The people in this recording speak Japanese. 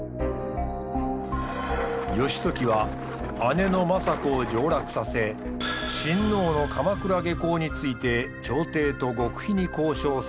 義時は姉の政子を上洛させ親王の鎌倉下向について朝廷と極秘に交渉させた。